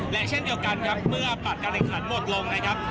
และเช่นเดียวกันครับเมื่อบัตรการแข่งขันหมดลงนะครับ